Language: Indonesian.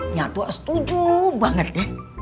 nya tua setuju banget ya